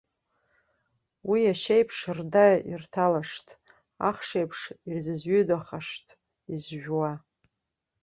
Уи ашьеиԥш рдақәа ирҭалашт, ахшеиԥш ирзызҩыдахашт изжәуа.